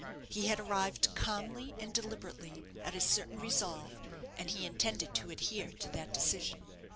He had arrived, calmly and deliberately, at a certain resolve, and he intended to adhere to that decision.